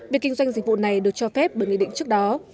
việc kinh doanh dịch vụ này được cho phép bởi nghị định trước đó